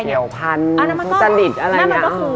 เกี่ยวพันธุ์สลิตอะไรอย่าง